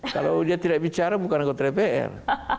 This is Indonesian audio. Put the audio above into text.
kalau dia tidak bicara bukan anggota dpr